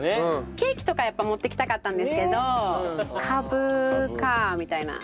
ケーキとかやっぱ持っていきたかったんですけどカブかみたいな。